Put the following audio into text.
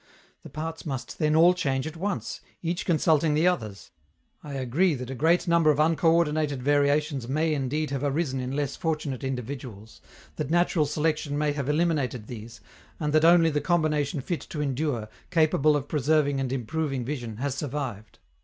The parts must then all change at once, each consulting the others. I agree that a great number of uncoördinated variations may indeed have arisen in less fortunate individuals, that natural selection may have eliminated these, and that only the combination fit to endure, capable of preserving and improving vision, has survived.